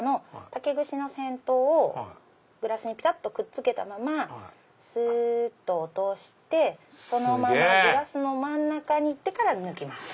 竹串の先頭をグラスにぴたっとくっつけたまますっと落としてそのままグラスの真ん中に行ってから抜きます。